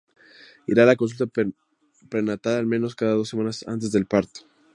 Irá a la consulta prenatal al menos cada dos semanas antes del parto.